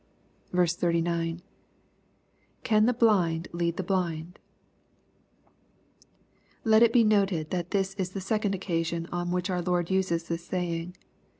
—[ Can the lilind lead the "blind f] Let it be noted that this is the second occasion on which our Lord uses this saying.